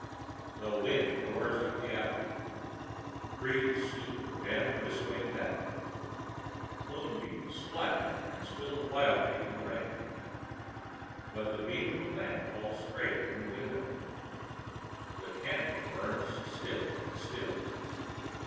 The wind roars up the avenue. Trees stoop and bend this way and that. Moonbeams splash and spill wildly in the rain. But the beam of the lamp falls straight from the window. The candle burns stiff and still.